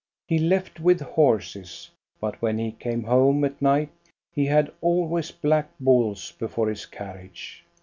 He left with horses, but when he came home at night he had always black bulls before his carriage.